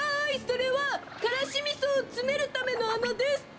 それはからしみそをつめるためのあなです！